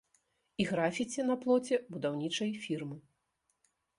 І графіці на плоце будаўнічай фірмы.